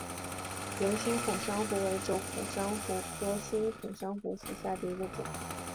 疣星孔珊瑚为轴孔珊瑚科星孔珊瑚下的一个种。